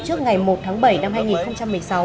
trước ngày một tháng bảy năm hai nghìn một mươi sáu